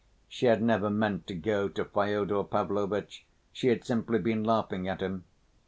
She had never meant to go to Fyodor Pavlovitch, she had simply been laughing at him.